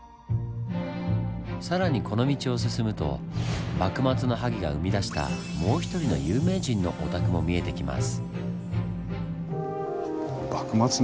更にこの道を進むと幕末の萩が生み出したもう１人の有名人のお宅も見えてきます。